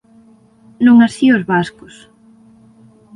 Non así os vascos.